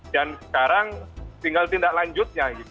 dan sekarang tinggal tindak lanjutnya